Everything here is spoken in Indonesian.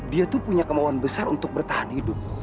dia tuh punya kemauan besar untuk bertahan hidup